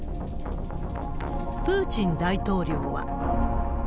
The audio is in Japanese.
プーチン大統領は。